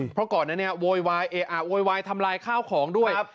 เพราะก่อนนั้นเนี่ยโวยวายทำลายข้าวของด้วย